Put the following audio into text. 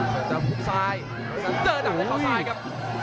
เจอดักด้วยเขาซ้ายครับ